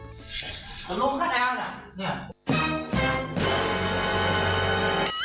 กระโดดขนาดนี้